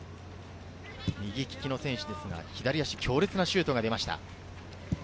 右利きの選手ですが、左足に強烈なシュートが出ました。